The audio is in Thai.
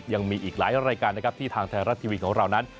ยังมีอีกหลายรายการนะครับที่ทางไทยรัฐทีวีของเรานั้น